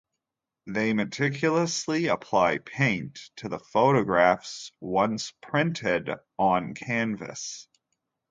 They meticulously apply paint to the photographs once printed on canvas.